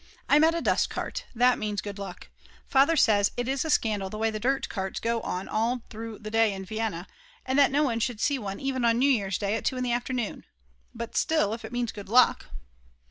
I met a dust cart, that means good luck; Father says it is a scandal the way the dirt carts go on all through the day in Vienna, and that one should see one even on New Year's day at 2 in the afternoon. But still, if it means _good luck!